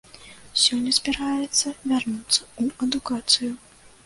Сёння збіраецца вярнуцца ў адукацыю.